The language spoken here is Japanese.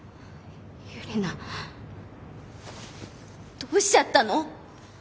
ユリナどうしちゃったの？